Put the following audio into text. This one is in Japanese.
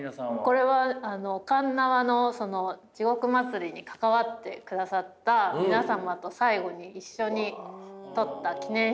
これは鉄輪の地獄祭に関わってくださった皆様と最後に一緒に撮った記念写真です。